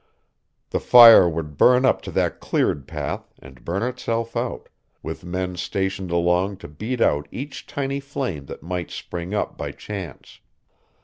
The fire would burn up to that cleared path and burn itself out with men stationed along to beat out each tiny flame that might spring up by chance.